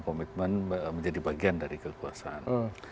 komitmen menjadi bagian dari kekuasaan